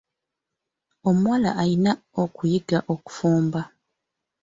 Omuwala alina okuyiga okufumba.